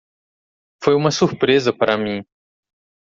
Foi uma surpresa para mim.